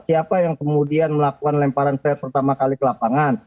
siapa yang kemudian melakukan lemparan fred pertama kali ke lapangan